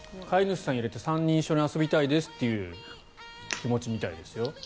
飼い主さん入れて３人一緒に遊びたいですという気持ちみたいですよ。